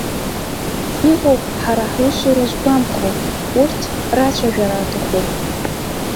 Иҟоуп ҳара ҳусура згәамԥхо, урҭ рацәажәара аҭахуп.